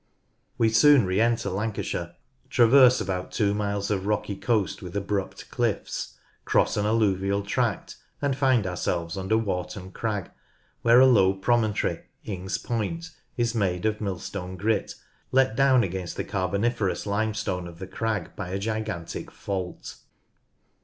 We soon re enter Lancashire, traverse about two miles of rocky coast with abrupt cliffs, cross an alluvial tract, and ALONG THE COAST 13 find ourselves under Warton Crag, where a low pro montory, lugs Point, is made of Millstone Grit, let down against the Carboniferous Limestone of the Crag by a gigantic fault.